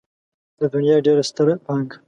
د دنيا ډېره ستره پانګه.